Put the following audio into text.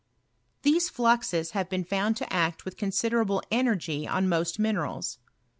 These fluxes have been found to act with consideraUe energy on most minerals.